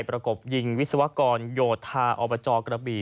กบยิงวิศวกรโยธาอบจกระบี่